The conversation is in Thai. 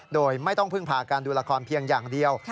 โดยไม่ต้องพึ่งพาการดูละครเพียงอย่างเดียว